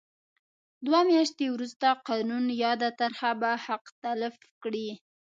دوه میاشتې وروسته قانون یاده طرحه به حق تلف کړي.